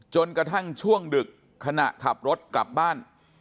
จนกระทั่งช่วงดึกขณะขับรถกลับบ้าน